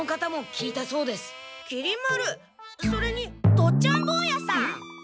きり丸それに父っちゃん坊やさん。